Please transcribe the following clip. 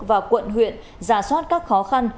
và quận huyện giả soát các khó khăn